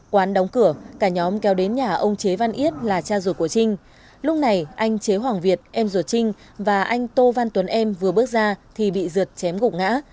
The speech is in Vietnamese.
quán đóng cửa cả nhóm kéo đến nhà ông chế văn yết là cha ruột của trinh lúc này anh chế hoàng việt em ruột trinh và anh tô văn tuấn em vừa bước ra thì bị dượt chém gục ngã